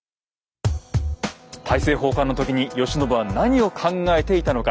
大政奉還の時に慶喜は何を考えていたのか。